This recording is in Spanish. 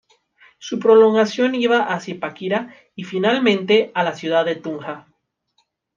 Su prolongación iba a Zipaquirá, y finalmente, a la ciudad de Tunja.